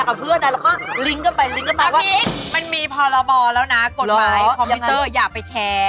อัพิกมันมีพรบแล้วนะกฎหมายคอมพิวเตอร์อย่าไปแชร์